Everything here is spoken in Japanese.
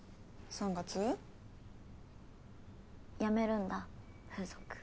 辞めるんだ風俗。